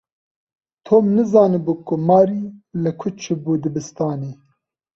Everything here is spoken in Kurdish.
Tom nizanibû ku Mary li ku çûbû dibistanê.